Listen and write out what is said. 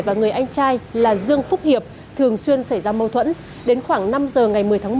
và người anh trai là dương phúc hiệp thường xuyên xảy ra mâu thuẫn